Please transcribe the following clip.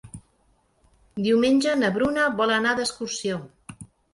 Diumenge na Bruna vol anar d'excursió.